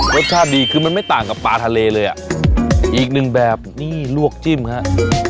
รสชาติดีคือมันไม่ต่างกับปลาทะเลเลยอ่ะอีกหนึ่งแบบนี้ลวกจิ้มฮะ